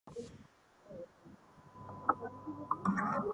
Ворона каркнула во всё воронье горло: сыр выпал — с ним была плутовка такова.